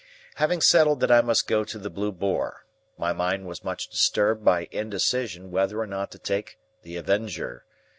Having settled that I must go to the Blue Boar, my mind was much disturbed by indecision whether or not to take the Avenger.